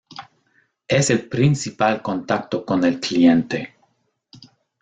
Es el principal contacto con el cliente.